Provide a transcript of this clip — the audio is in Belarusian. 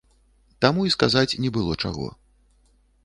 Таму і сказаць не было чаго.